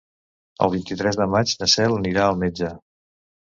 El vint-i-tres de maig na Cel anirà al metge.